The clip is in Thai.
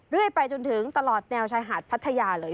เรื่อยไปจนถึงตลอดแนวชายหาดพัทยาเลย